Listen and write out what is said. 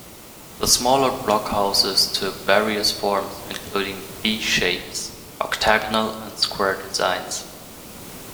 The smaller blockhouses took various forms, including D-shapes, octagonal and square designs.